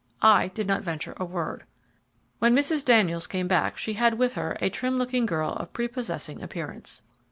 I did not venture a word. When Mrs. Daniels came back she had with her a trim looking girl of prepossessing appearance.